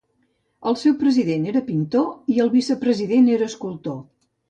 El seu president era pintor, i el vicepresident era escultor.